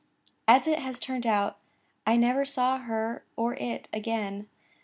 As it has turned out, I never saw either her or it again.